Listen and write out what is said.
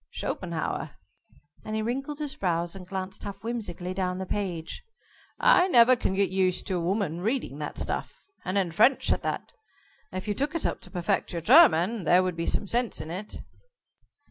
"Schopenhauer," and he wrinkled his brows and glanced half whimsically down the page. "I never can get used to a woman reading that stuff and in French, at that. If you took it up to perfect your German there would be some sense in it."